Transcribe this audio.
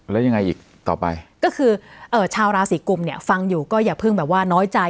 แล้วยังไงอีกต่อไปก็คือเอ่อชาวราศีกุมเนี่ยฟังอยู่ก็อย่าเพิ่งแบบว่าน้อยใจ